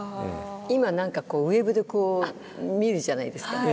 今何かウェブで見るじゃないですか。